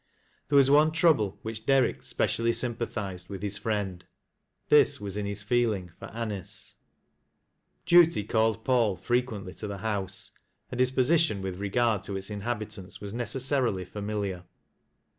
There was one trouble in which Derrick specially sj mpathized with his friend. This was in his feeling f oi A nice. Duty called Paiil frequently to the house, and his position with regard to its inhabitants was necessarily familiar.